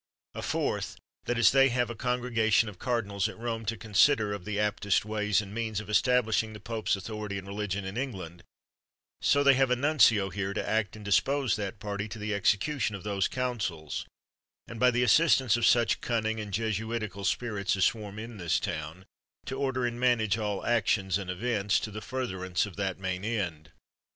A fourth, that as they have a congregation of cardinals at Rome, to consider of the aptest ways and means of establishing the pope's authority and religion in England, so they have a nuncio here, to act and dispose that party to the exe cution of those counsels, and, by the assistance of such cunning and Jesuitical spirits as swarm in this town, to order and manage all actions and events, to the furtherance of that main end.